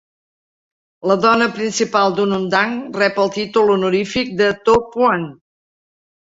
La dona principal d'un undang rep el títol honorífic de "to' puan".